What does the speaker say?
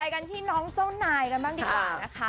กันที่น้องเจ้านายกันบ้างดีกว่านะคะ